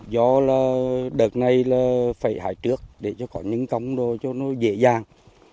do là đợt này là phải hái trước để cho có nhân công rồi cho nó dễ dàng